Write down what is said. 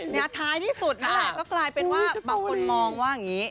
เนี่ยท้ายที่สุดนะแล้วก็กลายเป็นว่าบางคนมองว่าอย่างนี้